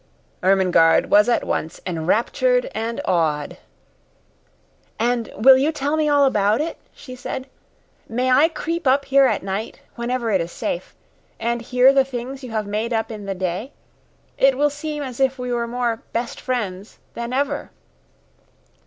Ermengarde was at once enraptured and awed. "And will you tell me all about it?" she said. "May I creep up here at night, whenever it is safe, and hear the things you have made up in the day? It will seem as if we were more 'best friends' than ever."